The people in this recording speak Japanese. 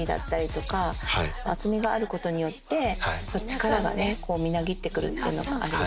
厚みがあることによって力がみなぎってくるていうのがあります。